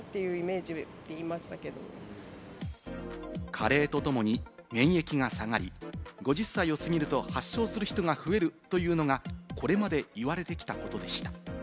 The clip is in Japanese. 加齢とともに免疫が下がり、５０歳を過ぎると発症する人が増えるというのがこれまで言われてきたことでした。